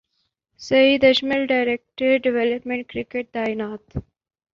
سعید Ajmal director development cricket تعینات